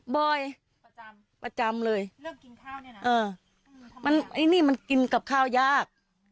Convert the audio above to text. บ่อยประจำเลยเออมันนี้มันกินกับข้าวยาก